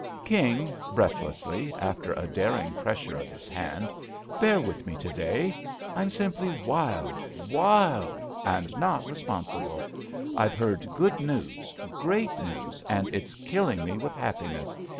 "King," breathlessly, after a daring pres sure of his hand, "bear with me to day. I'm simply wild, wild/ and not responsible. I've heard good news, great news, and it's killing me with happiness.